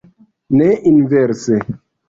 Ne inverse.